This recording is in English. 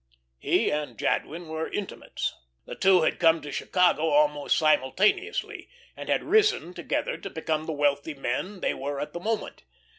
He and Jadwin were intimates. The two had come to Chicago almost simultaneously, and had risen together to become the wealthy men they were at the moment.